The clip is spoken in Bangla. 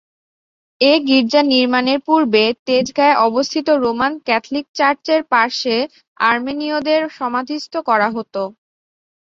এ গির্জা নির্মাণের পূর্বে তেজগাঁয়ে অবস্থিত রোমান ক্যাথলিক চার্চের পার্শ্বে আর্মেনীয়দের সমাধিস্থ করা হতো।